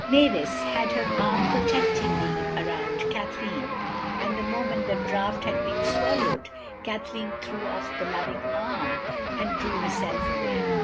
Mavis had her arm protectingly around Kathleen, and the moment the draught had been swallowed Kathleen threw off that loving arm and drew herself away.